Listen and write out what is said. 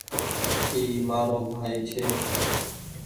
اي مآرو ڀآئي ڇي